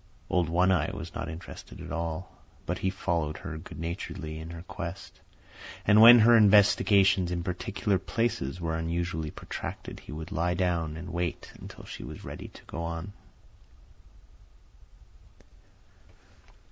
Old One Eye was not interested at all, but he followed her good naturedly in her quest, and when her investigations in particular places were unusually protracted, he would lie down and wait until she was ready to go on.